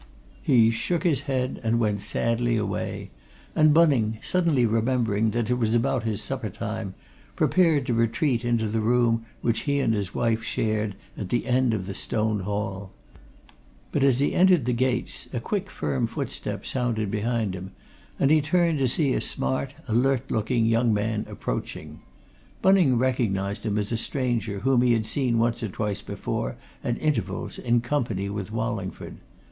He shook his head and went sadly away, and Bunning, suddenly remembering that it was about his supper time, prepared to retreat into the room which he and his wife shared, at the end of the stone hall. But as he entered the gates, a quick firm footstep sounded behind him, and he turned to see a smart, alert looking young man approaching. Bunning recognized him as a stranger whom he had seen once or twice before, at intervals, in company with Wallingford.